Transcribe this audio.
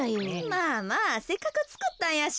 まあまあせっかくつくったんやし。